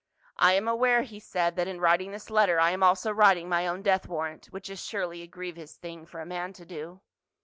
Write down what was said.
"I am aware," he said, "that in writing this letter I am also writing my own death warrant, which is surely a grievous thing for a man to do."